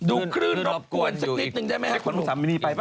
ดูครื่นรบกวนสักนิดนึงได้มั้ย